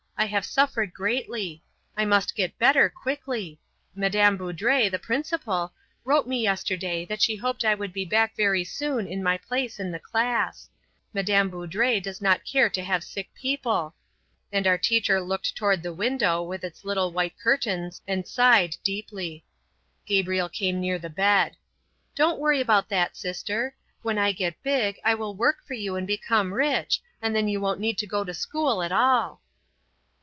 I have suffered greatly. I must get better quickly. Madame Boudre, the principal, wrote me yesterday that she hoped I would be back very soon in my place in the class. Madame Boudre doesn't care to have sick people," and our teacher looked toward the window with its little white curtains and sighed deeply. Gabriel came near the bed, "Don't worry about that, sister; when I get big I will work for you and become rich, and then you won't need to go to school at all."